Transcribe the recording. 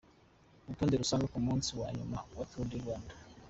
Urutonde rusange ku munsi wa nyuma wa Turu di Rwanda .